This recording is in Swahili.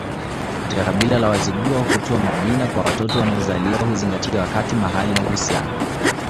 Katika kabila la Wazigua kutoa majina kwa watoto wanaozaliwa huzingatia wakati mahali na uhusiano